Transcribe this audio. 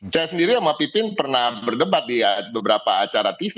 saya sendiri sama pipin pernah berdebat di beberapa acara tv